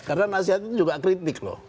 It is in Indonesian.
karena nasihat itu juga kritik loh